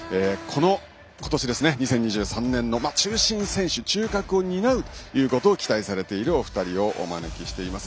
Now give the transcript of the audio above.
今年、２０２３年の中心選手中核を担うことを期待されているお二人をお招きしています。